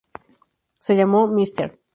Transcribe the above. Se llamó "Mr.